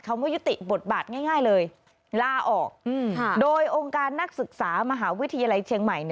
ว่ายุติบทบาทง่ายเลยลาออกโดยองค์การนักศึกษามหาวิทยาลัยเชียงใหม่